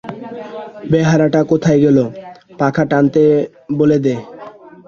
বেহারাটা কোথায় গেল, পাখা টানতে বলে দে।